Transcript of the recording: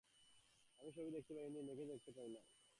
আমি সবই দেখিতে পাই, কিন্তু নিজেকে দেখিতে পাই না।